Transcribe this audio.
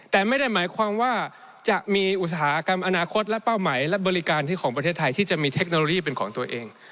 แต่ไม่ได้หมายความว่าจะมีอุตสาหกรรมอนาคตและเป้าหมายและบริการของประเทศไทยที่จะมีเทคโนโลยีเป็นของตัวเอง